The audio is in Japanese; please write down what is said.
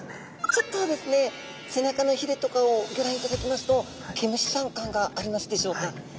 ちょっとですね背中のひれとかをギョ覧いただきますと毛虫さん感がありますでしょうか。